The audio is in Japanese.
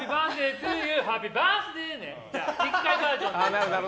２回バージョン。